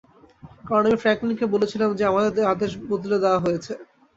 কারণ আমি ফ্র্যাঙ্কলিনকে বলেছিলাম যে আমাদের আদেশ বদলে দেওয়া হয়েছে।